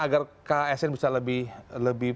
agar asn bisa lebih